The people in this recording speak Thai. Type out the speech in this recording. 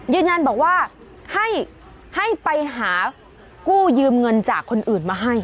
ยืนยันบอกว่าให้ไปหากู้ยืมเงินจากคนอื่นมาให้